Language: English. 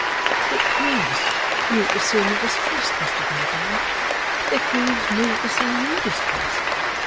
'It grieves you to see me distressed, Mr Wrayburn; it grieves me to see you distressed.